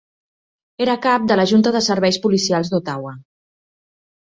Era cap de la Junta de serveis policials d'Ottawa.